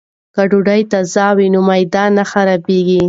که ډوډۍ تازه وي نو معده نه خرابیږي.